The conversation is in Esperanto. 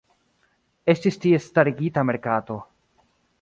Estis tie starigita merkato.